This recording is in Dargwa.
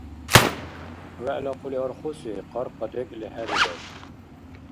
ВегӀла хъули архуси къаркъа декӀли хӀебирар.